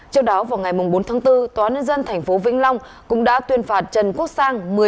trước đó vào ngày bốn tháng bốn tòa nhân dân tp vĩnh long cũng đã tuyên phạt trần quốc sang